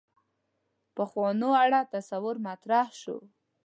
پخوانو اړه تصور مطرح شو.